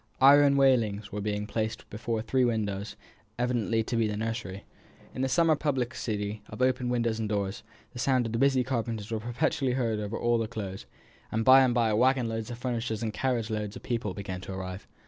Iron railings were being placed before three windows, evidently to be the nursery. In the summer publicity of open windows and doors, the sound of the busy carpenters was perpetually heard all over the Close: and by and by waggon loads of furniture and carriage loads of people began to arrive.